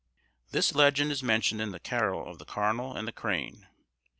This legend is mentioned in the carol of the Carnal and the Crane.